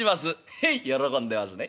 「へい喜んでますね。